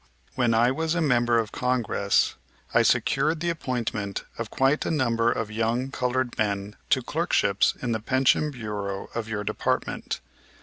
When I was a member of Congress I secured the appointment of quite a number of young colored men to clerkships in the Pension Bureau of your department.